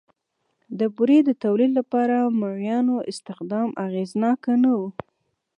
د بورې د تولید لپاره د مریانو استخدام اغېزناک نه و